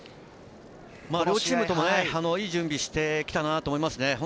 両チームともいい準備をしてきたなと思いますね。